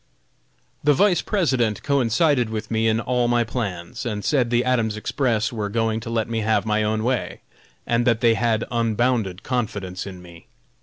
The Vice President coincided with me in all my plans, and said the Adams Express were going to let me have my own way, and that they had unbounded confidence in me.